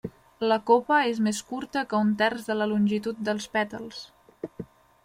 La copa és més curta que un terç de la longitud dels pètals.